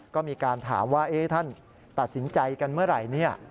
ก็มีการถามว่าท่านตัดสินใจกันเมื่อไหร่